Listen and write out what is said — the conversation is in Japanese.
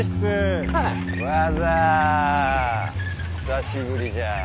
久しぶりじゃん。